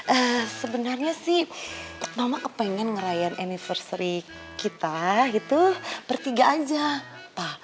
eh sebenarnya sih mama kepengen ngerayain anniversary kita itu bertiga aja pa